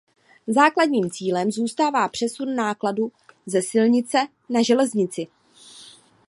Základním cílem zůstává přesun nákladu ze silnice na železnici.